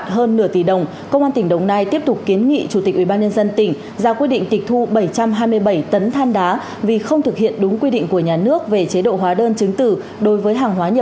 hãy đăng ký kênh để ủng hộ kênh của chúng mình nhé